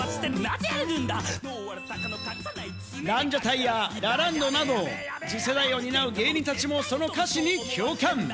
ランジャタイやラランドなど、次世代を担う芸人たちもその歌詞に共感。